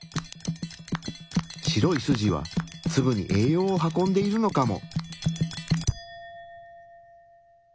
白い筋はツブに栄養を運んでいるのかも。